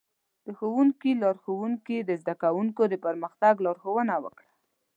د ښوونکي لارښوونې د زده کوونکو د پرمختګ لارښوونه وکړه.